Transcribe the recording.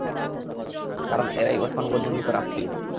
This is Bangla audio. কারণ এরাই ওসমান গনির নিকট আত্মীয়।